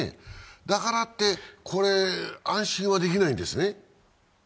だからって、安心はできないんですね？